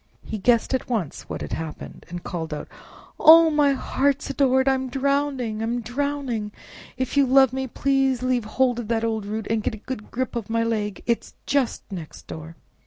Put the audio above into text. He guessed at once what had happened, and called out, "Oh! my heart's adored! I'm drowning! I'm drowning! If you love me, leave hold of that old root and get a good grip of my leg—it is just next door!"